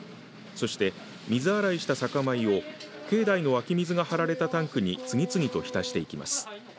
そして、水洗いした酒米を境内の湧き水が張られたタンクに次々とひたしていきます。